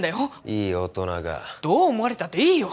いい大人がどう思われたっていいよ